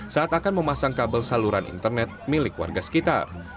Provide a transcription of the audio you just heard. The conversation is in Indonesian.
saat akan memasang kabel saluran internet milik warga sekitar